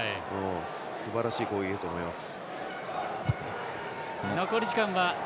すばらしい攻撃だと思います。